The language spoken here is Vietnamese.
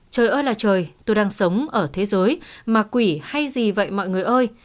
trời ơ là trời tôi đang sống ở thế giới mà quỷ hay gì vậy mọi người ơi